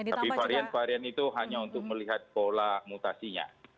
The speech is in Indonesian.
tapi varian varian itu hanya untuk melihat pola mutasinya